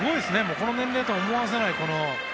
この年齢とは思わせない。